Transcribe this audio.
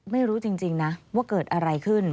ไม่รู้จริงนะว่าเกิดอะไรขึ้น